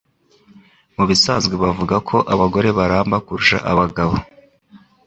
Mubisanzwe bavuga ko abagore baramba kurusha abagabo